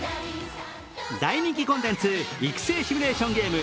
大人気コンテンツ、育成シミュレーションゲーム